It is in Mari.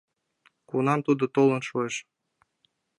— Кунам тудо толын шуэш?